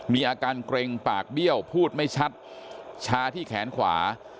มีอาการเกร็งปากเบี้ยวพูดไม่ชัดชาที่แขนขวา